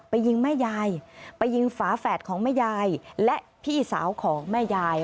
ยิงแม่ยายไปยิงฝาแฝดของแม่ยายและพี่สาวของแม่ยาย